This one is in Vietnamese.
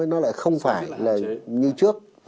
nó lại không phải là như trước